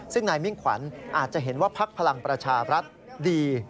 ซึ่งนายมิ่งขวัญอาจจะเห็นว่าพักพลังประชาบรัฐดี